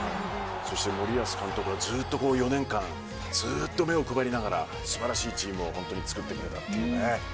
そして森保監督は４年間ずっと目を配りながら素晴らしいチームを本当に作ってくれたっていう。